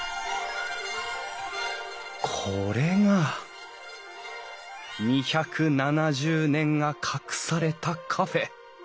これが２７０年が隠されたカフェ。